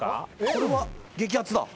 これは激アツだ。